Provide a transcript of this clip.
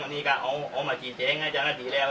อันนี้ก็เอามาจีนเจ๊งน่าจะหน้าจีนแล้ว